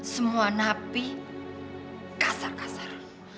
semua napi kasar kasar